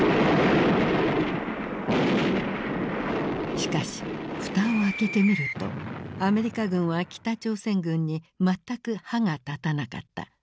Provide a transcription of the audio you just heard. しかしふたを開けてみるとアメリカ軍は北朝鮮軍に全く歯が立たなかった。